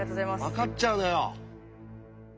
わかっちゃうのよ。